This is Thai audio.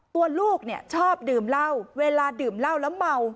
ตัวลูกเนี่ยชอบดื่มเหล้าเวลาดื่มเหล้าแล้วเมา